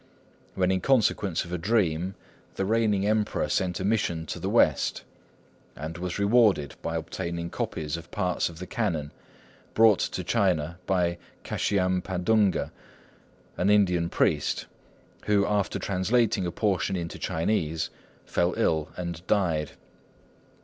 when in consequence of a dream the reigning Emperor sent a mission to the West, and was rewarded by obtaining copies of parts of the Canon, brought to China by Kashiapmadunga, an Indian priest, who, after translating a portion into Chinese, fell ill and died.